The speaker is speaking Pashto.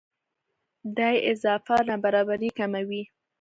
دې اضافه نابرابرۍ کموي.